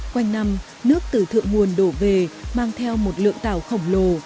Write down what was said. quanh năm nước từ thượng nguồn đổ về mang theo một lượng tảo khổng lồ